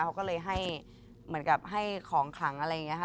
เขาก็เลยให้เหมือนกับให้ของขลังอะไรอย่างนี้ค่ะ